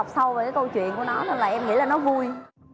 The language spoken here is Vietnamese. thế là em nghĩ là nó vui